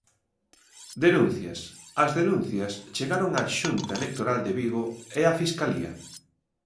Denuncias As denuncias chegaron á Xunta Electoral de Vigo e á Fiscalía.